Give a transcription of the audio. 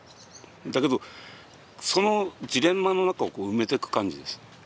だけどそのジレンマの中を埋めていく感じです。